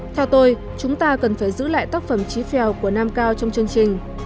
theo tôi chúng ta cần phải giữ lại tác phẩm trí phèo của nam cao trong chương trình